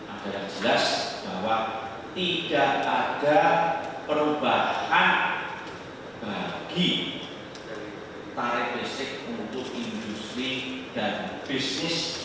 ada yang jelas bahwa tidak ada perubahan bagi tarif listrik untuk industri dan bisnis